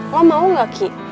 lo mau gak ki